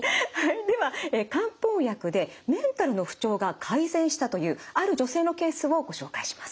では漢方薬でメンタルの不調が改善したというある女性のケースをご紹介します。